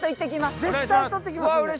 絶対取ってきますんで。